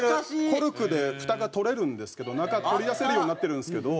コルクでふたが取れるんですけど中取り出せるようになってるんですけど。